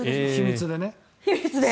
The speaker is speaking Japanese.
秘密でね。